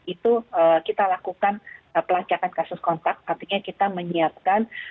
itu kita lakukan pelacakan kasus kontak artinya kita menyiapkan